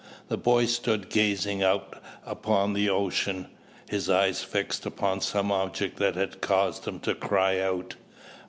The boy stood gazing out upon the ocean, his eyes fixed upon some object that had caused him to cry out.